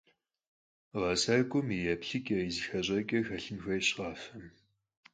Ğesak'uem yi yêplhıç'e, yi zıxeş'eç'e xelhın xuêyş khafem.